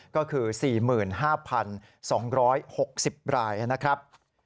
ก็คือ๔๕๒๖๐รายนะครับ